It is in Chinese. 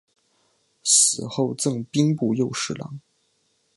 死后赠兵部右侍郎。